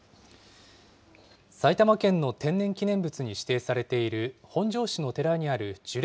埼玉県の天然記念物に指定されている、本庄市の寺にある樹齢